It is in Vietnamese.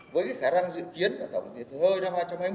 với cái khả năng dự kiến của tổng thì thời hơi là hai trăm hai mươi